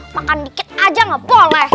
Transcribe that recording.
maka dikit aja ngeboleh